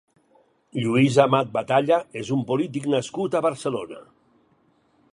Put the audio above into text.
Lluís Amat Batalla és un polític nascut a Barcelona.